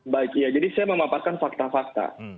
baik ya jadi saya memaparkan fakta fakta